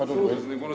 そうですね。